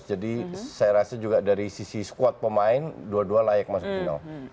jadi saya rasa juga dari sisi squad pemain dua dua layak masuk final